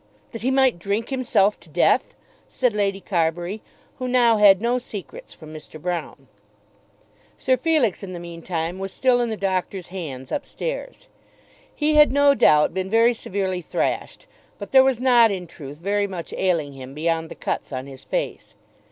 "That he might drink himself to death," said Lady Carbury, who now had no secrets from Mr. Broune. Sir Felix in the mean time was still in the doctor's hands up stairs. He had no doubt been very severely thrashed, but there was not in truth very much ailing him beyond the cuts on his face.